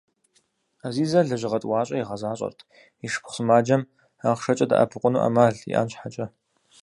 Ӏэзизэ лэжьыгъэ тӀуащӀэ игъэзащӀэрт и шыпхъу сымаджэм ахъшэкӀэ дэӀэпыкъуну Ӏэмал иӀэн щхьэкӀэ.